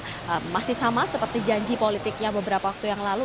yang masih sama seperti janji politiknya beberapa waktu yang lalu